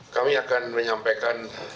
kami akan menyampaikan